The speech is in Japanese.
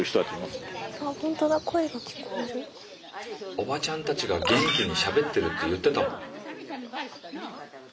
「おばちゃんたちが元気にしゃべってる」って言ってたもん。